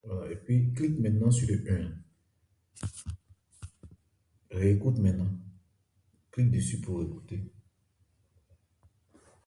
Wo lo sa kɔn ji.